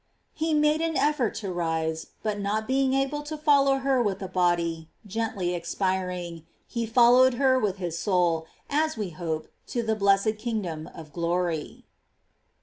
He made an effort to rise, but not being able to fol low her with the body, gently expiring, he fol lowed her with his soul, as we hope, to the blets ed kingdom of glory.